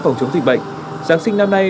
phòng chống dịch bệnh giáng sinh năm nay